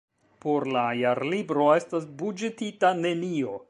Por la Jarlibro estas buĝetita nenio.